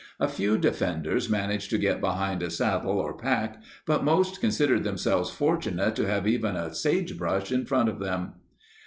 A few defenders managed to get behind a saddle or pack, but most considered themselves fortunate to have even a sagebrush in front of them.